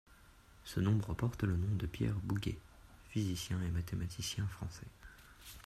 Ce nombre porte le nom de Pierre Bouguer, physicien et mathématicien français.